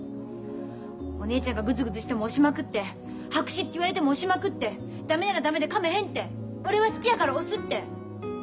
お姉ちゃんがグズグズしても押しまくって白紙って言われても押しまくって駄目なら駄目でかめへんって俺は好きやから押すって。